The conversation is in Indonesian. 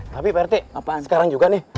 tapi prt apa sekarang juga nih